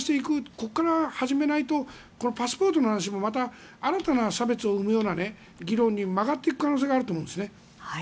ここから始めないとパスポートの話も新たな差別を生むような議論に曲がっていく可能性があると思うんですね。